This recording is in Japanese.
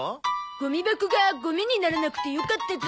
ゴミ箱がゴミにならなくてよかったゾ。